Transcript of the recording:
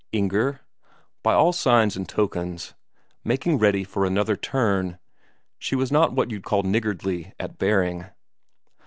Inger? By all signs and tokens, making ready for another turn; she was not what you'd call niggardly at bearing.